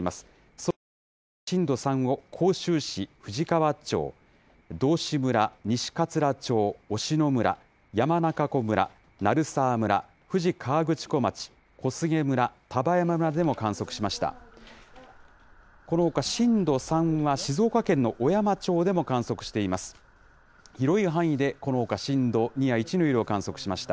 そのほか同じく震度３を甲州市、富士川町、道志村、西桂町、忍野村、山中湖村、鳴沢村、富士河口湖町、小菅村、丹波山村でも観測しました。